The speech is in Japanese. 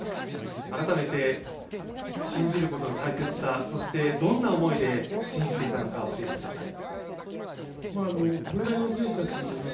改めて信じることの大切さそして、どんな思いで信じていたのか教えてください。